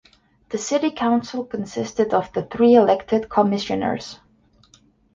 The City Council consisted of the three elected Commissioners.